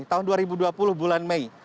tahun dua ribu dua puluh bulan mei